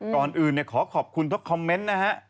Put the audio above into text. ก่อนอื่นขอขอบคุณทุกคอมเมนต์นะฮะ